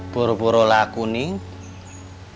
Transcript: buru buru laku nih